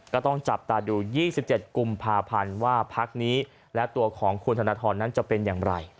ก็ต้องจับตาดู๒๗กุมภาพันธ์ว่าพักนี้และตัวของคุณธนทรนั้นจะเป็นอย่างไร